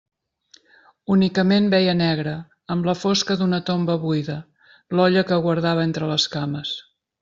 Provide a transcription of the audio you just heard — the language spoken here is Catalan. Únicament veia negre, amb la fosca d'una tomba buida, l'olla que guardava entre les cames.